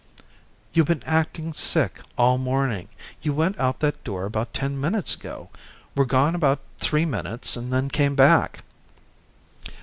"You've been acting sick all morning. You went out that door about ten minutes ago, were gone about three minutes, and then came back."